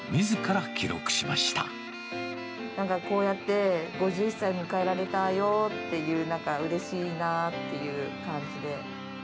なんかこうやって、５１歳迎えられたよっていう、なんかうれしいなっていう感じで。